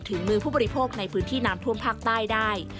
ถึงมือผู้บริโภคในพื้นที่น้ำท่วมภาคใต้ได้